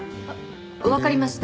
わかりました。